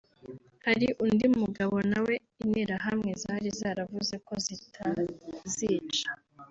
Hari undi mugabo nawe interahamwe zari zaravuze ko zitazica